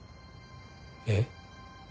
えっ？